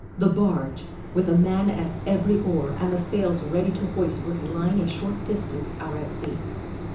The barge, with a man at every oar and the sails ready to hoist, was lying a short distance out at sea.